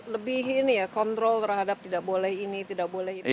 lebih ini ya kontrol terhadap tidak boleh ini tidak boleh itu